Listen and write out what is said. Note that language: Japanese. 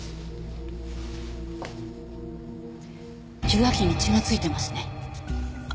受話器に血が付いてますね。